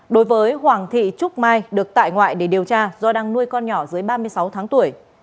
đối với hoàng thị trúc mai được tại ngoại để điều tra do đang nuôi con nhỏ dưới ba mươi sáu tháng tuổi